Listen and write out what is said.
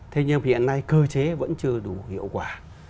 thế nhưng hiện nay cơ chế vẫn chưa đủ hiệu quả